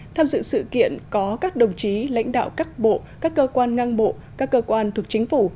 tham dự sự kiện có các đồng chí lãnh đạo các bộ các cơ quan ngang bộ các cơ quan thuộc chính phủ